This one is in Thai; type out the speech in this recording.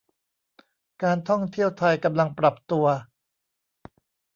การท่องเที่ยวไทยกำลังปรับตัว